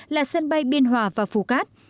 là sân bay biên hòa và phú cát